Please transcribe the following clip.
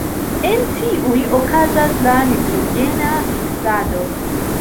En tiuj okazas la nitrogena fiksado.